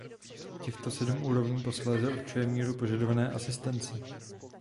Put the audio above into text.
Těchto sedm úrovní posléze určuje míru požadované asistence.